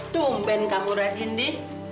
tumpen kamu raji indi